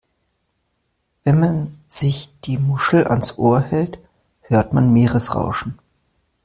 Wenn man sich die Muschel ans Ohr hält, hört man Meeresrauschen.